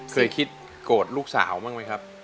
เคยคิดโกรธลูกสาวบ้างไหมครับ